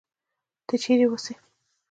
ته چېرې اوسې؟